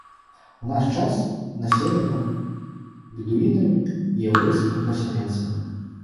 У наш час населена бедуінамі і яўрэйскімі пасяленцамі.